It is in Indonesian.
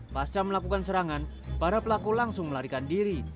pasca melakukan serangan para pelaku langsung melarikan diri